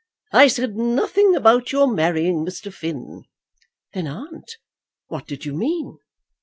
"I said nothing about your marrying Mr. Finn." "Then, aunt, what did you mean?"